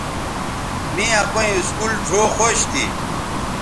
می اپئیں اسکول ڙھؤ خوش تھی